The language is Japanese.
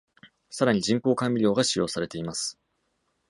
さらに、人工甘味料が使用されています。